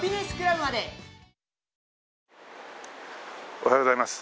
おはようございます。